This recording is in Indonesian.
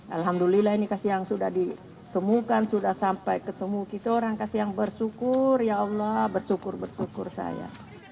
alhamdulillah ini kasihan sudah ditemukan sudah sampai ketemu kita orang kasih yang bersyukur ya allah bersyukur bersyukur saya